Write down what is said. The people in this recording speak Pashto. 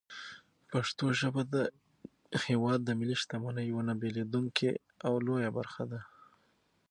پښتو ژبه د هېواد د ملي شتمنۍ یوه نه بېلېدونکې او لویه برخه ده.